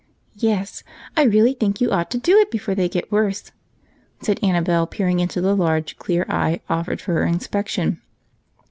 Yes, I really think you ought to do it before they get worse," said Annabel, peering into the large clear eye offered for inspection.